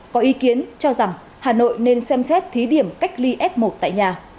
có ý kiến cho rằng hà nội nên xem xét thí điểm cách ly f một tại nhà